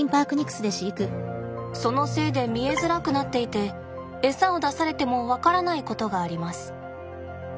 そのせいで見えづらくなっていてエサを出されても分からないことがあります。